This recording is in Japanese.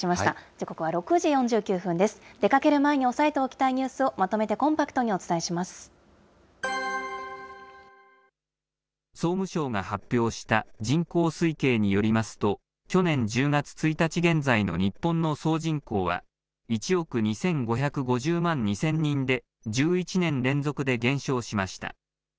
出かける前に押さえておきたいニュースをまとめてコンパクトにお総務省が発表した人口推計によりますと、去年１０月１日現在の日本の総人口は、１億２５５０万２０００人で１１年連続で減少しました。